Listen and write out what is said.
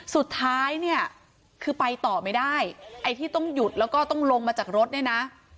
สุดท้ายเนี่ยคือไปต่อไม่ได้ไอ้ที่ต้องหยุดแล้วก็ต้องลงมาจากรถเนี่ยนะ